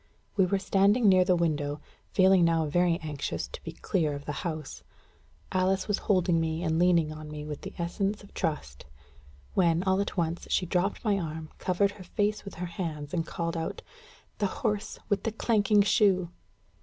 We were standing near the window, feeling now very anxious to be clear of the house; Alice was holding me and leaning on me with the essence of trust; when, all at once, she dropped my arm, covered her face with her hands, and called out: "The horse with the clanking shoe!"